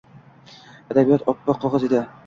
Adabiyot oppoq qog’oz edi